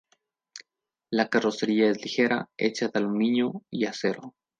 La carrocería es ligera, hecha de aluminio y acero.